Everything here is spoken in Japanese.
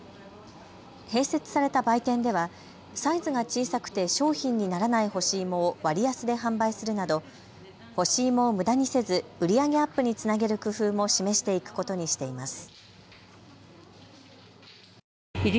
併設された売店ではサイズが小さくて商品にならない干し芋を割安で販売するなど干し芋をむだにせず売り上げアップにつなげる工夫も示していくことにしています。